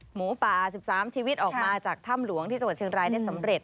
หมูป่า๑๓ชีวิตออกมาจากถ้ำหลวงที่จังหวัดเชียงรายได้สำเร็จ